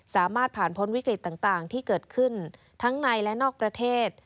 สามารถผ่านพ้นวิกฤตต่างที่เกิดขึ้นทั้งในและนอกประเทศ